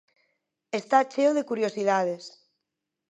Está cheo de curiosidades.